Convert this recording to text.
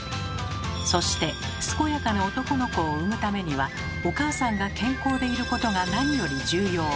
そして健やかな男の子を産むためにはお母さんが健康でいることが何より重要。